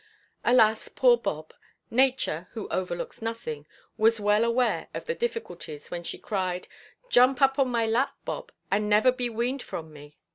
Alas, poor Bob! Nature, who overlooks nothing, was well aware of the difficulties when she cried, "Jump up on my lap, Bob, and never be weaned from me."